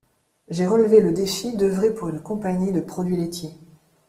J’ai relevé le défi d’œuvrer pour une compagnie de produits laitiers.